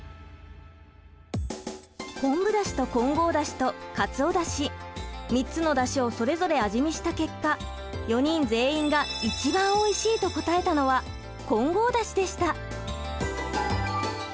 昆布だしと混合だしとかつおだし３つのだしをそれぞれ味見した結果４人全員が一番おいしいと答えたのは混合だしでした。